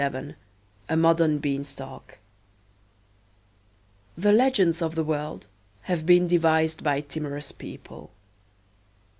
XXVII A MODERN BEANSTALK The legends of the world have been devised by timorous people.